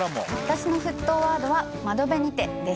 私の沸騰ワードは『窓辺にて』です。